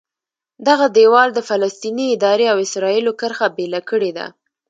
دغه دیوال د فلسطیني ادارې او اسرایلو کرښه بېله کړې ده.